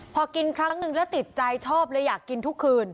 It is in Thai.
พอกินครั้งนึงแล้วติดใจชอบเลยอยากกินทุกคืน